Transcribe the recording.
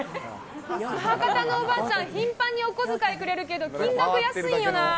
母方のおばあちゃん、頻繁にお小遣いくれるけど、金額安いんよな。